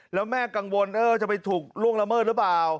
แล้วแม่กังวลจะไปถูกล่วงละเมิดหรือเปล่า